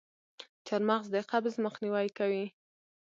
چارمغز د قبض مخنیوی کوي.